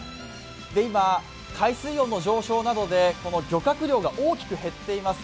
今、海水温の上昇などで漁獲量が大きく減っています。